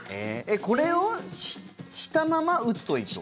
これをしたまま打つといいってこと？